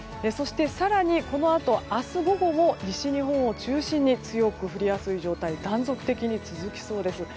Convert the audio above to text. このあと、明日午後も西日本を中心に強く降りやすい状態が断続的に続きそうです。